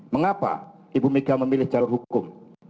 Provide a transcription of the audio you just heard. mengapa ibu mega memilih jalur hukum